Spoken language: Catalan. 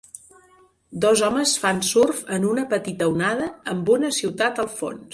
Dos homes fan surf en una petita onada amb una ciutat al fons.